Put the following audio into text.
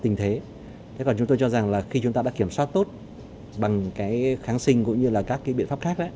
tình thế còn chúng tôi cho rằng là khi chúng ta đã kiểm soát tốt bằng cái kháng sinh cũng như là các cái biện pháp khác